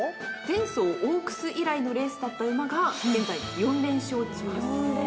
前走オークス以来のレースだった馬が現在４連勝中です。